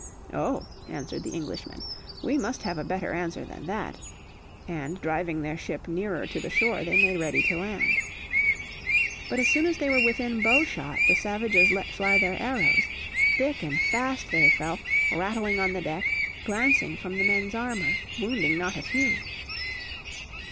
"Oh," answered the Englishmen, "we must have a better answer than that," and driving their ship nearer to the shore they made ready to land. But as soon as they were within bow shot the savages let fly their arrows. Thick and fast they fell, rattling on the deck, glancing from the men's armour, wounding not a few.